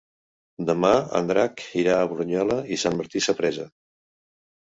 Demà en Drac irà a Brunyola i Sant Martí Sapresa.